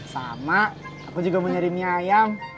sama aku juga mau nyari mie ayam